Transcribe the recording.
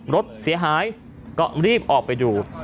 รถเสียหายก็รีบออกไปดู